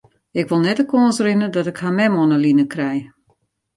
Ik wol net de kâns rinne dat ik har mem oan 'e line krij.